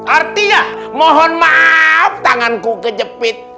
artinya mohon maaf tanganku kejepit